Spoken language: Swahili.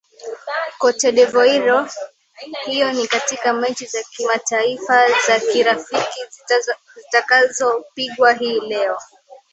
cote devoire hiyo ni katika mechi za kimataifa za kirafiki zitakazopigwa hii leo